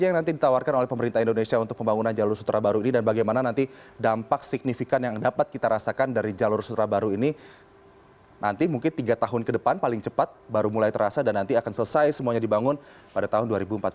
apa yang nanti ditawarkan oleh pemerintah indonesia untuk pembangunan jalur sutra baru ini dan bagaimana nanti dampak signifikan yang dapat kita rasakan dari jalur sutra baru ini nanti mungkin tiga tahun ke depan paling cepat baru mulai terasa dan nanti akan selesai semuanya dibangun pada tahun dua ribu empat puluh lima